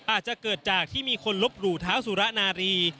อาจจะเกิดจากที่มีคนลบหลู่เท้าสุระนารี